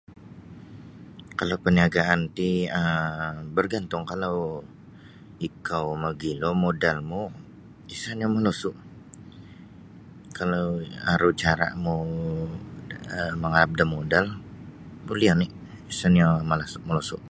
Kalau paniagaan ti um bargantung kalau ikou mogilo modalmu isa nio molosu kalau aru caramu mangalap da modal buli oni isa nio malasu molosu.